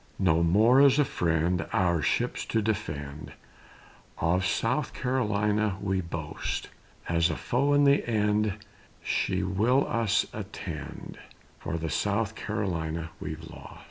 No more as a friend, Our ships to defend, Of South Carolina we boast; As a foe in the end, She will us attend, For the South Carolina we've lost.